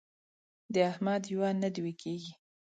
د احمد یوه نه دوې کېږي.